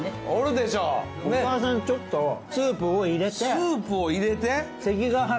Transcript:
スープを入れて？